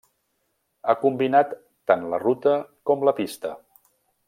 Ha combinat tant la ruta com la pista.